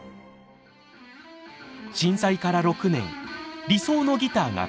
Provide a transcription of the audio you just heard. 震災から６年理想のギターが完成。